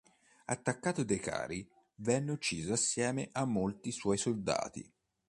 Attaccato dai Cari, venne ucciso assieme a molti suoi soldati.